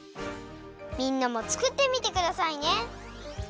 みんなもつくってみてくださいね。